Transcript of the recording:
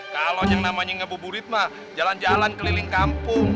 kalau yang namanya ngebuburit mah jalan jalan keliling kampung